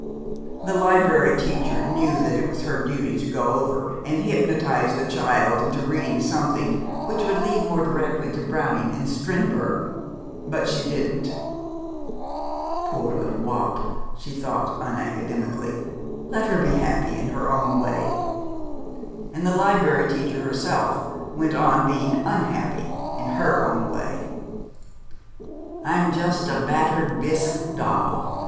The Liberry Teacher knew that it was her duty to go over and hypnotize the child into reading something which would lead more directly to Browning and Strindberg. But she didn't. "Poor little wop!" she thought unacademically. "Let her be happy in her own way!" And the Liberry Teacher herself went on being unhappy in her own way. "I'm just a battered bisque doll!"